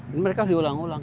ini mereka diulang ulang